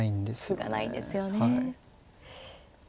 歩がないんですよね。